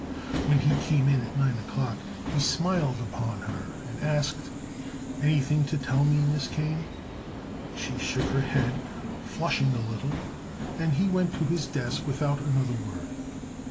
When he came in at nine o'clock he smiled upon her and asked: "Anything to tell me, Miss Kane?" She shook her head, flushing a little, and he went to his desk without another word.